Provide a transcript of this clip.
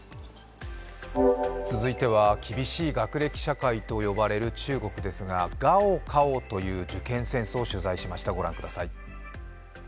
続いては厳しい学歴社会といわれる中国ですが高考という受験戦争を取材しました、ご覧ください。